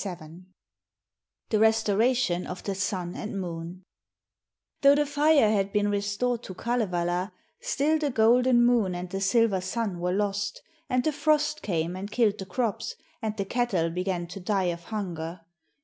THE RESTORATION OF THE SUN AND MOON Though the Fire had been restored to Kalevala, still the golden Moon and the silver Sun were lost, and the frost came and killed the crops, and the cattle began to die of hunger.